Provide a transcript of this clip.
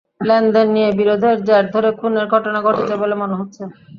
লেনদেন নিয়ে বিরোধের জের ধরে খুনের ঘটনা ঘটেছে বলে মনে হচ্ছে।